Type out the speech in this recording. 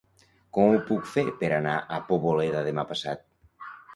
Com ho puc fer per anar a Poboleda demà passat?